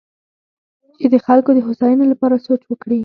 چې د خلکو د هوساینې لپاره سوچ وکړي.